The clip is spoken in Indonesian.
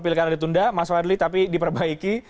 pilkada ditunda mas fadli tapi diperbaiki